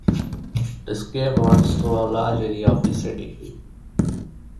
This cave runs through a large area of the city.